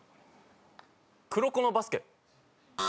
『黒子のバスケ』。